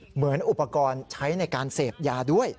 เหมือนอุปกรณ์ใช้ในการเสพยาด้วย